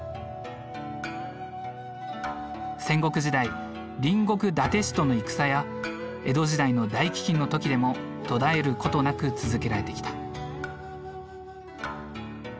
戦国時代隣国伊達氏との戦や江戸時代の大飢きんの時でも途絶えることなく続けられてきた。